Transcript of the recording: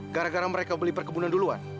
gara gara mereka beli perkebunan duluan